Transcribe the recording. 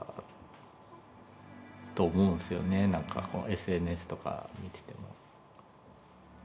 なんかＳＮＳとか見てても。